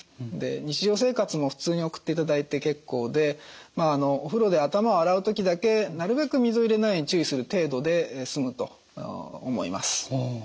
日常生活も普通に送っていただいて結構でまあお風呂で頭を洗う時だけなるべく水を入れないように注意する程度で済むと思います。